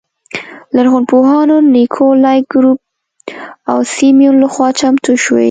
لرغونپوهانو نیکولای ګروب او سیمون لخوا چمتو شوې.